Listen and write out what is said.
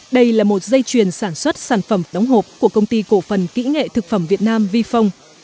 đây là một dây chuyền sản xuất sản phẩm đóng hộp của công ty cổ phần kỹ nghệ thực phẩm việt nam vifong